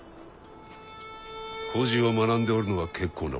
故事を学んでおるのは結構なことじゃ。